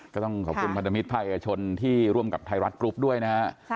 ก็ต้องขอบคุณพันธมิตรภาคเอกชนที่ร่วมกับไทยรัฐกรุ๊ปด้วยนะฮะ